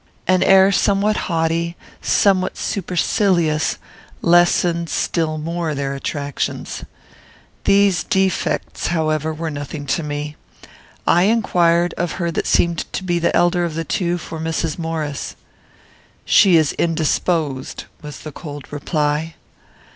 An air somewhat haughty, somewhat supercilious, lessened still more their attractions. These defects, however, were nothing to me. I inquired, of her that seemed to be the elder of the two, for Mrs. Maurice. "She is indisposed," was the cold reply.